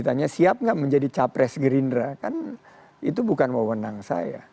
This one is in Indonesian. tanya siap gak menjadi capres gerindra kan itu bukan mewenang saya